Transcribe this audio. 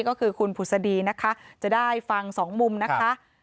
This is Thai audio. ก็คือคุณผุศดีนะคะจะได้ฟังสองมุมนะคะ